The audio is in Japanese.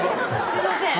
すいません